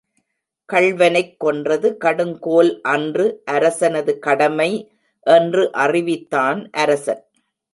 கள்வனைக் கொன்றது கடுங்கோல் அன்று அரசனது கடமை என்று அறிவித்தான் அரசன்.